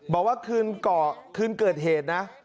บอกว่าคืนเกิดเหตุนะ